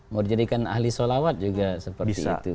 mau dijadikan ahli solawat juga seperti itu